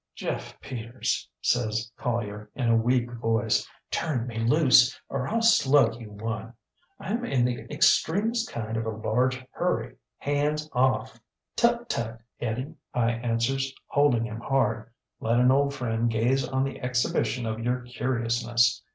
ŌĆÖ ŌĆ£ŌĆśJeff Peters, ŌĆÖ says Collier, in a weak voice. ŌĆśTurn me loose, or IŌĆÖll slug you one. IŌĆÖm in the extremest kind of a large hurry. Hands off! ŌĆÖ ŌĆ£ŌĆśTut, tut, Eddie, ŌĆÖ I answers, holding him hard; ŌĆślet an old friend gaze on the exhibition of your curiousness.